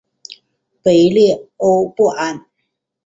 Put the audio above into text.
维列欧布安。